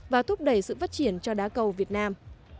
và thúc đẩy sự phát triển cho đá cầu việt nam